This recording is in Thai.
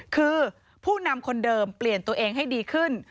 คือผู้นำคนเดิมเปลี่ยนตัวเองให้ดีขึ้น